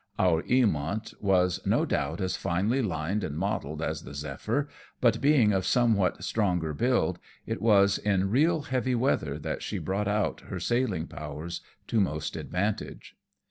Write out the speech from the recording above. Our 'Eamont was no doubt as finely lined and modelled as the Zephyr, but being of somewhat stronger build, it was in real heavy weather that she brought out her sailing powers to most advantage.